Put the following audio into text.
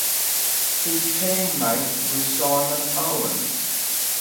His teammate was Simon Owen.